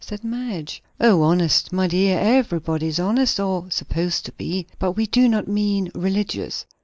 said Madge. "O, honest! My dear, everybody is honest, or supposed to be; but we do not mean religious."